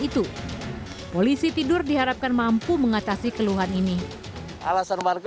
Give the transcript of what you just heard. itu polisi tidur diharapkan mampu mengatasi keluhan ini alasan warga